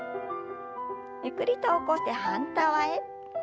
ゆっくりと起こして反対側へ。